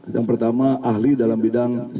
yang pertama ahli dalam bidang